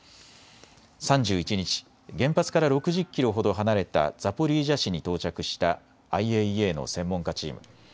３１日、原発から６０キロほど離れたザポリージャ市に到着したＩＡＥＡの専門家チーム。